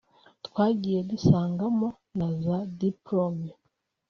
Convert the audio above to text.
twagiye dusangamo na za diplome